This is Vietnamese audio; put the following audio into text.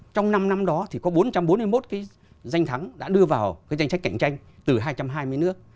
trong năm năm đó thì có bốn trăm bốn mươi một cái danh thắng đã đưa vào cái danh sách cạnh tranh từ hai trăm hai mươi nước